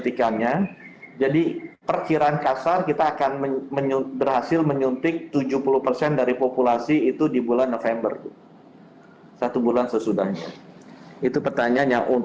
itu pertanyaannya untuk herd immunity